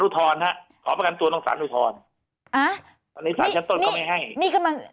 อุทธรฮะขอประกันตัวต้องสารอุทธรอ่าในสารชั้นต้นเขาไม่ให้นี่ขึ้นมา